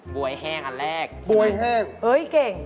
บวยแห้งอันแรกใช่ไหมไงเอ้ยเก่ง